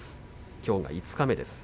きょうが五日目です。